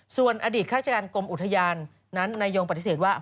ส่วนอดีตฆาตกรรมอุทยานนั้นนายยงปฏิเสธว่า